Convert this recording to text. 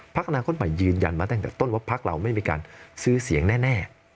อนาคตใหม่ยืนยันมาตั้งแต่ต้นว่าพักเราไม่มีการซื้อเสียงแน่